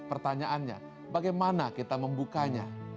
pertanyaannya bagaimana kita membukanya